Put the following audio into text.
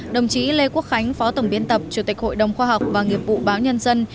đồng chí lê quốc khánh phó tổng biên tập chủ tịch hội đồng khoa học và nghiệp vụ báo nhân dân